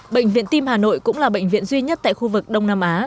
bệnh viện tim hà nội cũng là bệnh viện duy nhất tại khu vực đông nam á